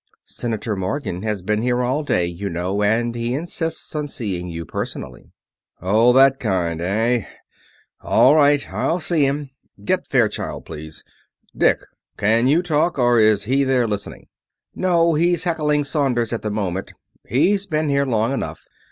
"Senator Morgan has been here all day, you know, and he insists on seeing you personally." "Oh, that kind, eh? All right, I'll see him. Get Fairchild, please ... Dick? Can you talk, or is he there listening?" "No, he's heckling Saunders at the moment. He's been here long enough.